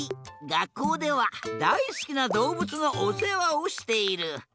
がっこうではだいすきなどうぶつのおせわをしている。